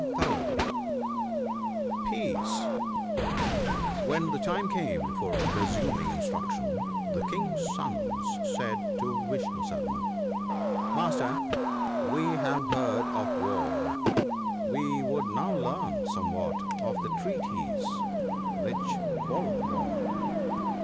H $tatt* HEN the time came for resuming instruc tion, the King's sons said to Vishnu Sarman, "Master, we have heard of war, we would now learn somewhat of the treaties which follow war."